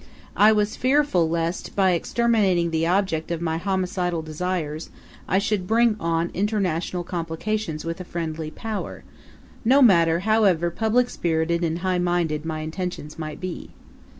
I was fearful lest, by exterminating the object of my homicidal desires, I should bring on international complications with a friendly Power, no matter however public spirited and high minded my intentions might be.